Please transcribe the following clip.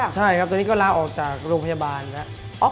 ใช่ครับตอนนี้ก็ลาออกจากโรงพยาบาลแล้ว